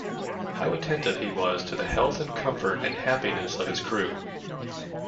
How attentive he was to the health and comfort and happiness of his crew!